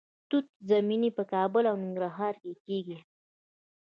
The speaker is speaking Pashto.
توت زمینی په کابل او ننګرهار کې کیږي.